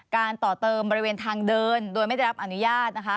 ต่อเติมบริเวณทางเดินโดยไม่ได้รับอนุญาตนะคะ